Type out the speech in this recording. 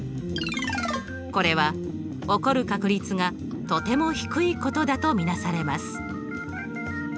これは起こる確率がとても低いことだと見なされます。